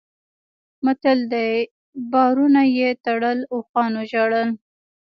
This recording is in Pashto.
متل دی: بارونه یې تړل اوښانو ژړل.